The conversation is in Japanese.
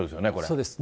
そうです。